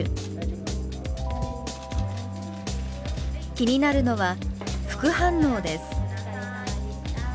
気になるのは副反応です。